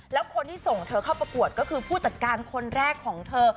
แล้วคนที่ส่งเธอเข้าประกวดก็คือผู้จัดการคนแรกของเธอ